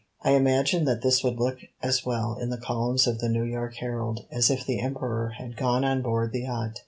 I imagined that this would look as well in the columns of the "New York Herald" as if the Emperor had gone on board the yacht.